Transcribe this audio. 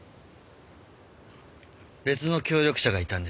別の協力者がいたんです。